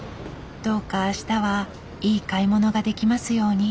どうかあしたはいい買い物ができますように。